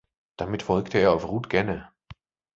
Damit folgte er auf Ruth Genner.